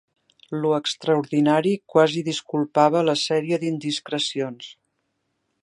Lo extraordinari, quasi disculpava la sèrie d'indiscrecions.